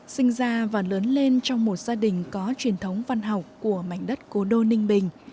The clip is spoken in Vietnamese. sinh ra và lớn lên trong một gia đình có truyền thống văn học của mảnh đất cố đô ninh bình